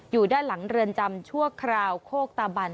อยู่ด้านหลังเรือนจำชั่วคราวโคกตาบัน